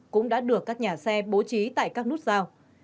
cũng đã được các nhà xe bố trí tại các nút giao